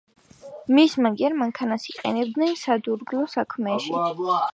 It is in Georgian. მის მაგარ მერქანს იყენებენ სადურგლო საქმეში.